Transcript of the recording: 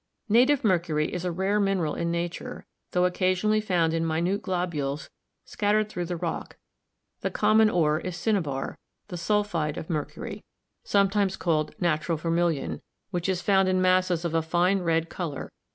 Native mercury is a rare mineral in nature, tho occa sionally found in minute globules scattered through the rock; the common ore is cinnabar, the sulphide of mer 266 GEOLOGY cury, sometimes called natural vermilion, which is found in masses of a fine red color